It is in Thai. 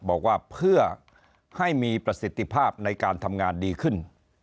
บอกว่าเพื่อให้มีประสิทธิภาพในการทำงานดีขึ้น